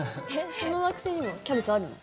その惑星にもキャベツあるの？